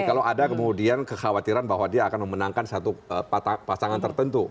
kalau ada kemudian kekhawatiran bahwa dia akan memenangkan satu pasangan tertentu